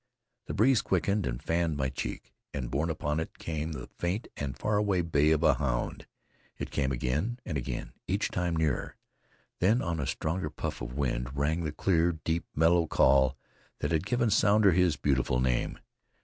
The breeze quickened and fanned my cheek, and borne upon it came the faint and far away bay of a hound. It came again and again, each time nearer. Then on a stronger puff of wind rang the clear, deep, mellow call that had given Sounder his beautiful name.